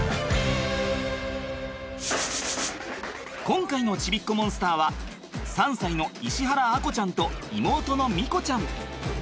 今回のちびっこモンスターは３歳の石原亜瑚ちゃんと妹の美瑚ちゃん。